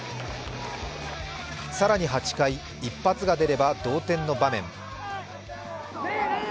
更に８回、一発が出れば同点の場面